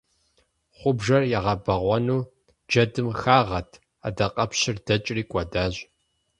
Хъубжэр ягъэбэгъуэну джэдым хагъэт адакъэпщыр дэкӏри кӏуэдащ.